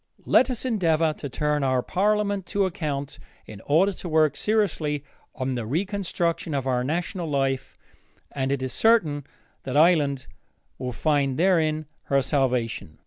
Let us endeavor to turn our parliament to account in order to work seriously on the reconstruction of our national life, and it is certain that Ireland will find therein her salvation.